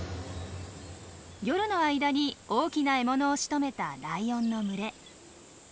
夜の間に大きな獲物をしとめたライオンの群れ。